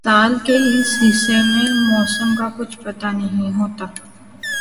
سال کے اس حصے میں موسم کا کچھ پتا نہیں ہوتا